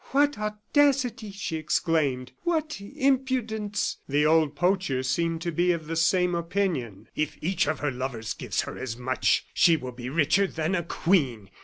"What audacity!" she exclaimed. "What impudence!" The old poacher seemed to be of the same opinion. "If each of her lovers gives her as much she will be richer than a queen.